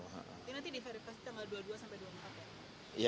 nanti di verifikasi tanggal dua puluh dua sampai dua puluh empat ya